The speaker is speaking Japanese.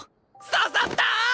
刺さった！